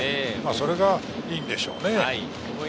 それがいいのでしょうね。